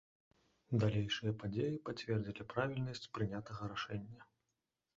Далейшыя падзеі пацвердзілі правільнасць прынятага рашэння.